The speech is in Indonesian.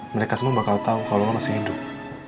mereka semua bakal tahu kalau lo masih hidup